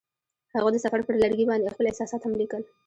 هغوی د سفر پر لرګي باندې خپل احساسات هم لیکل.